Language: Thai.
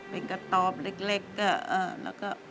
เป็นกระต๊อบเล็กแล้วก็